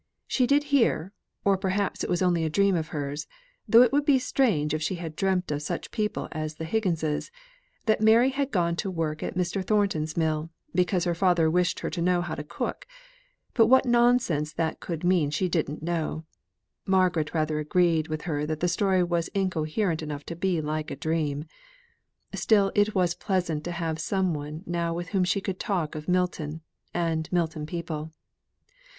She did hear, or perhaps it was only a dream of hers, though it would be strange if she had dreamt of such people as the Higginses, that Mary had gone to work at Mr. Thornton's mill, because her father wished her to know how to cook; but what nonsense that could mean she didn't know. Margaret rather agreed with her that the story was incoherent enough to be like a dream. Still it was pleasant to have some one now with whom she could talk of Milton, and Milton people.